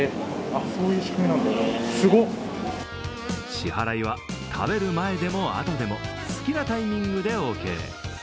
支払いは食べる前でも後でも、好きなタイミングでオーケー。